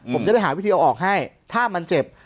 ผมจะได้หาวิธีเอาออกให้ถ้ามันเจ็บ